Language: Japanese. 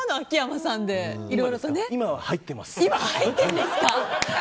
今は入ってます。